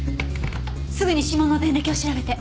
すぐに指紋の前歴を調べて。